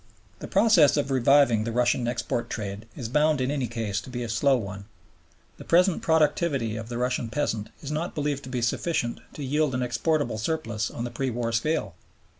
The process of reviving the Russian export trade is bound in any case to be a slow one. The present productivity of the Russian peasant is not believed to be sufficient to yield an exportable surplus on the pre war scale.